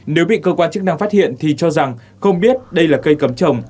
nếu bị cơ quan chức năng phát hiện thì cho rằng không biết đây là cây cấm trồng